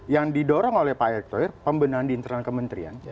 yang didorong oleh pak erick thohir pembenahan di internal kementerian